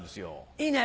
いいね。